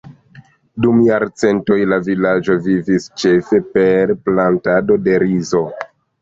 Dum jarcentoj, la vilaĝo vivis ĉefe per plantado de rizo.